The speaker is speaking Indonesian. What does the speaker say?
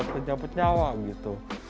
kejar kejar pecawa gitu